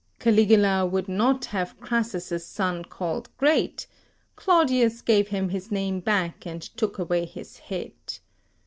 Caligula would not have Crassus' son called Great; Claudius gave him his name back, and took away his head.